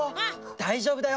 だいじょうぶだよ。